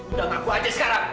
udah ngaku aja sekarang